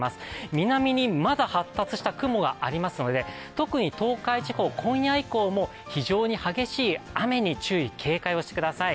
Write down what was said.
南にまだ発達した雲がありますので、特に東海地方、今夜以降も非常に激しい雨に注意、警戒をしてください。